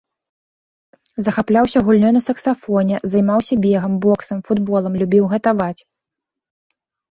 Захапляўся гульнёй на саксафоне, займаўся бегам, боксам, футболам, любіў гатаваць.